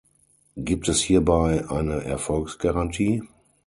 Gibt es hierbei eine Erfolgsgarantie?